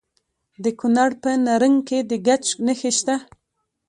د کونړ په نرنګ کې د ګچ نښې شته.